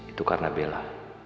itu karena bella